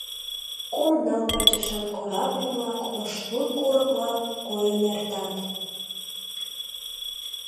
Кум-ныл пачашан корабль-влак, ош лум курыкла койын эртат.